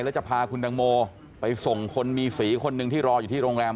แล้วจะพาคุณตังโมไปส่งคนมีสีคนหนึ่งที่รออยู่ที่โรงแรม